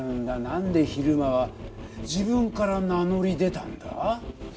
なんで比留間は自分から名乗り出たんだ？